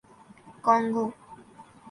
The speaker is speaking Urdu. کانگو